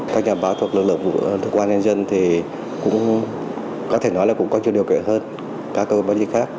các nhà báo thuộc lực lượng công an nhân dân thì cũng có thể nói là cũng có nhiều điều kể hơn các cơ quan báo chí khác